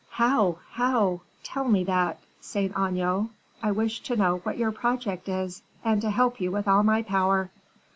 "How how? tell me that, Saint Aignan. I wish to know what your project is, and to help you with all my power."